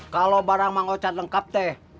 kalau barang mang ocat lengkap teh